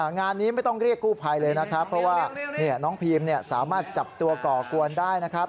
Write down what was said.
งานนี้ไม่ต้องเรียกกู้ภัยเลยนะครับเพราะว่าน้องพีมสามารถจับตัวก่อกวนได้นะครับ